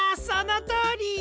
そのとおり！